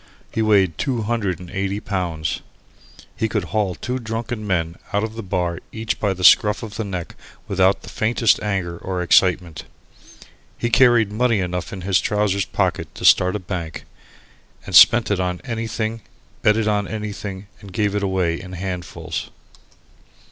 He weighed two hundred and eighty pounds. He could haul two drunken men out of the bar each by the scruff of the neck without the faintest anger or excitement. He carried money enough in his trousers pockets to start a bank, and spent it on anything, bet it on anything, and gave it away in handfuls.